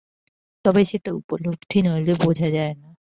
তবে সেটা উপলব্ধি নইলে বোঝা যায় না।